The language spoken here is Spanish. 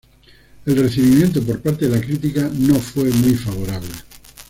El recibimiento por parte de la crítica no fue muy favorable.